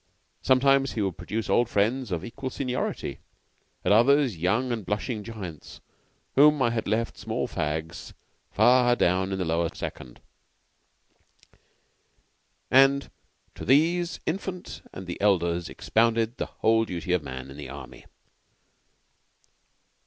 Sometimes he would produce old friends of equal seniority; at others, young and blushing giants whom I had left small fags far down in the Lower Second; and to these Infant and the elders expounded the whole duty of man in the Army.